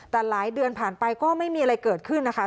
แต่หลายเดือนผ่านไปก็ไม่มีอะไรเกิดขึ้นนะคะ